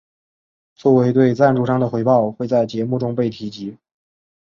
作为对赞助商的回报会在节目中被提及。